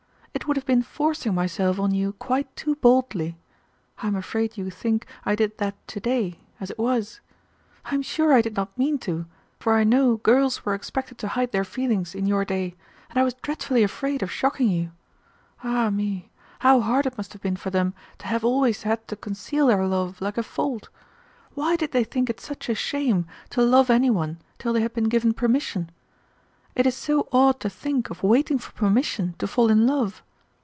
It would have been forcing myself on you quite too boldly. I am afraid you think I did that to day, as it was. I am sure I did not mean to, for I know girls were expected to hide their feelings in your day, and I was dreadfully afraid of shocking you. Ah me, how hard it must have been for them to have always had to conceal their love like a fault. Why did they think it such a shame to love any one till they had been given permission? It is so odd to think of waiting for permission to fall in love.